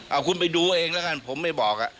เอาคุณไปดูเองแล้วกันผมไม่บอก